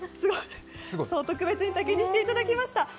特別に竹にしていただきました。